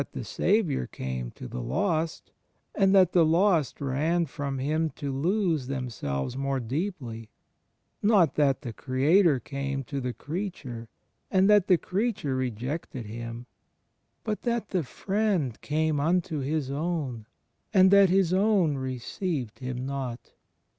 lO THE FRIENDSHIP OF CHRIST Saviour came 'to the lost, and that the lost ran from Him to lose themselves more deeply, not that the Creator came to the Creature and that the Creature rejected Him; but that the Friend " came imto His own, and that His own received Him not."